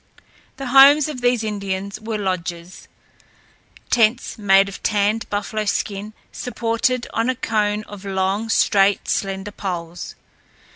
The homes of these Indians were lodges tents made of tanned buffalo skin supported on a cone of long, straight, slender poles.